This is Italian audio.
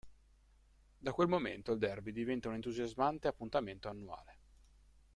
Da quel momento il derby diventa un entusiasmante appuntamento annuale.